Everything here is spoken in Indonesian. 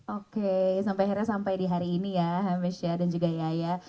oke sampai akhirnya sampai di hari ini ya hamish dan juga yaya